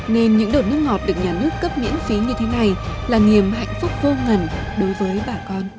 nên những đợt nước ngọt được nhà nước cấp miễn phí như thế này là niềm hạnh phúc vô ngần đối với bà con